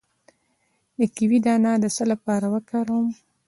د کیوي دانه د څه لپاره وکاروم؟